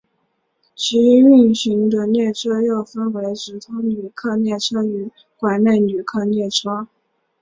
其运行的列车又分为直通旅客列车与管内旅客列车。